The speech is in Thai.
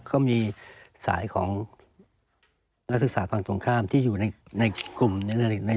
ก็มีสายของนักศึกษาฝั่งตรงข้ามที่อยู่ในกลุ่ม